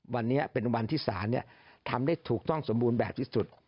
วันนี้เป็นวันที่ศาลทำได้ถูกต้องสมบูรณ์แบบที่สุด